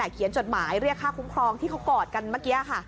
เขียนจดหมายเรียกค่าคุ้มครองที่เขากอดกันเมื่อกี้ค่ะ